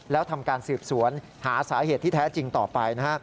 แล้วทำการสืบสวนหาสาเหตุที่แท้จริงต่อไปนะฮะ